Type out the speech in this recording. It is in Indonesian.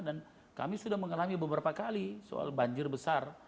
dan kami sudah mengalami beberapa kali soal banjir besar